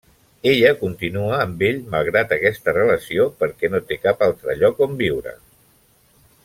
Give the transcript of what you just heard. Ella continua amb ell malgrat aquesta relació perquè no té cap altre lloc on viure.